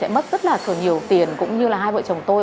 lại mất rất là nhiều tiền cũng như là hai vợ chồng tôi